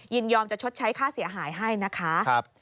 ยินยอมจะชดใช้ค่าเสียหายให้นะคะ